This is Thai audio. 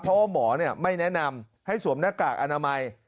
เพราะว่าหมอไม่แนะนำให้สวมหน้ากากอนามัย